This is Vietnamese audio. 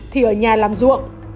thì ở nhà làm ruộng